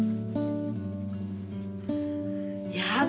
やだ。